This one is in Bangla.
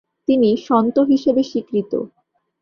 তিনি সন্ত হিসেবে স্বীকৃত।